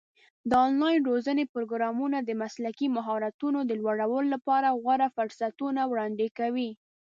د آنلاین روزنې پروګرامونه د مسلکي مهارتونو د لوړولو لپاره غوره فرصتونه وړاندې کوي.